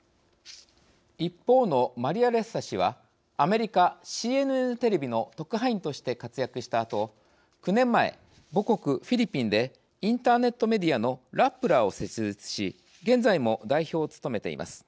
一方のマリア・レッサ氏はアメリカ、ＣＮＮテレビの特派員として活躍したあと９年前、母国フィリピンでインターネットメディアの「ラップラー」を設立し現在も代表を務めています。